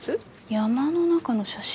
山の中の写真？